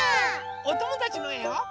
おともだちのえを。